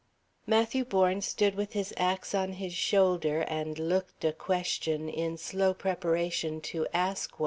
Matthew Bourne stood with his ax on his shoulder and looked a question in slow preparation to ask one.